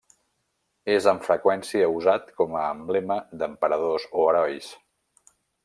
És amb freqüència usat com a emblema d'emperadors o herois.